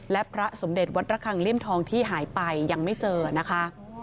และพระสมเด็จวัดระคังเลี่ยมทองที่หายไปยังไม่เจอนะคะ